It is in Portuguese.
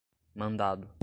mandado